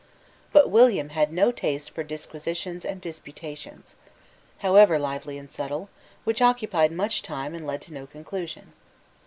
But William had no taste for disquisitions and disputations, however lively and subtle, which occupied much time and led to no conclusion.